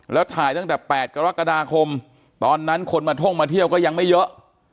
แล้วถ่ายตั้งแต่๘กรกฎาคมตอนนั้นคนมาท่องมาเที่ยวก็ยังไม่เยอะ